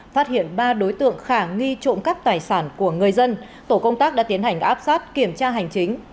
phát hiện ba đối tượng khả nghi trộm cắp tài sản của người dân tổ công tác đã tiến hành áp sát kiểm tra hành chính